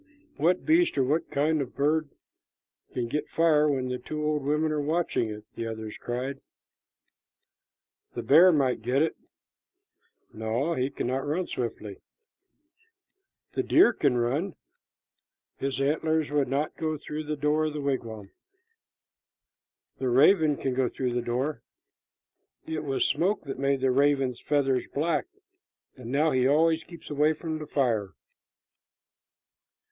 "What beast or what bird can get fire when the two old women are watching it?" the others cried. "The bear might get it." "No, he cannot run swiftly." "The deer can run." "His antlers would not go through the door of the wigwam." "The raven can go through the door." "It was smoke that made the raven's feathers black, and now he always keeps away from the fire."